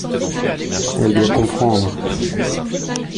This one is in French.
Elle doit comprendre.